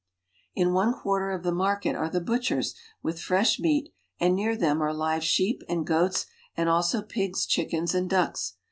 In one quarter of the market are the butchers with fresh meat, and near them are live sheep and goats and also pigs, chickens, and ducks.